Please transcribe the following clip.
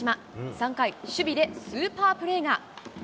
３回、守備でスーパープレーが。